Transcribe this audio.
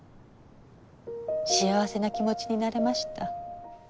幸せな気持ちになれました。